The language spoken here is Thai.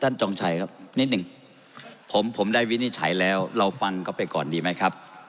จองชัยครับนิดหนึ่งผมผมได้วินิจฉัยแล้วเราฟังเข้าไปก่อนดีไหมครับ